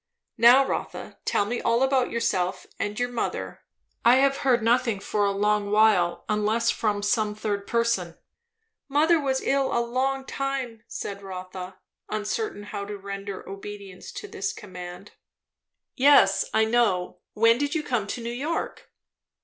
"Now Rotha, tell me all about yourself and your mother. I have heard nothing for a long while, unless from some third person." "Mother was ill a long time," said Rotha, uncertain how to render obedience to this command. "Yes, I know. When did you come to New York?"